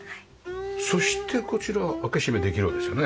そしてこちらは開け閉めできるわけですよね？